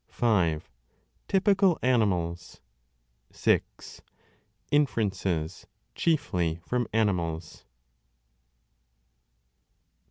5. Typical animals. 6. Inferences, chiefly from animals.